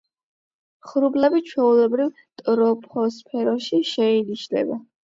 ღრუბლები ჩვეულებრივ ტროპოსფეროში შეინიშნება.